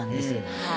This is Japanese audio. はい。